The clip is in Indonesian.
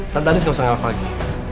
tante andis gak usah ngelakang lagi